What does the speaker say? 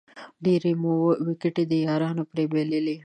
ډېرې مو وېکټې د یارانو پرې بایللې دي